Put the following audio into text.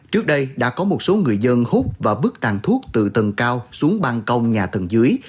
trước đây đã có một số người dân hút và bức tàn thuốc từ tầng cao xuống băng công nhà tầng dưới